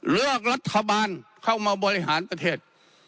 เลือกรัฐบาลเข้ามาบริหารประเทศ